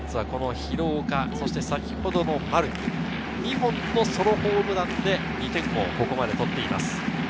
ジャイアンツはこの廣岡、そして先ほどの丸、２本のソロホームランで２点をここまで取っています。